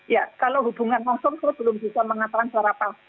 ya kalau hubungan langsung saya belum bisa mengatakan secara pasti